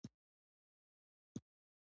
کروندګر د حاصل په ښه والي هڅې کوي